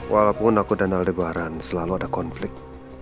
walaupun aku dan aldebaran selalu ada konflik